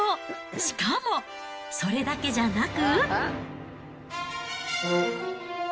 しかも、それだけじゃなく。